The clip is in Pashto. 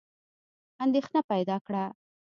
اندېښنه پیدا کړه.